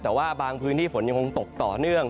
แต่ว่าบางพื้นที่ฝนยังคงตกต่อเนื่อง